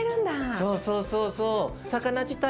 そうそうそうそう。